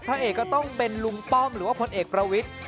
พระเอกก็ต้องเป็นลุงป้อมหรือว่าพลเอกประวิทธิ